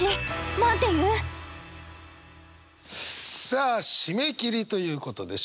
さあ締め切りということで。